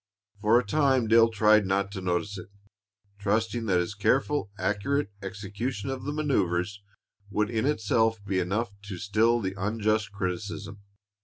For a time Dale tried not to notice it, trusting that his careful, accurate execution of the manoeuvers would in itself be enough to still the unjust criticism.